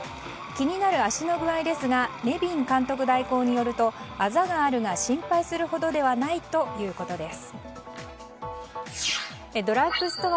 気になる足の具合ですがネビン代行監督によるとあざがあるが心配するほどではないということです。